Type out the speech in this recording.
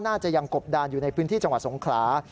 น่าจะยังกบดานอยู่ในพิธีจังหวะสงขลา